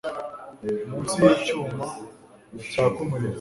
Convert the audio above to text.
Munsi yicyuma cyaka umuriro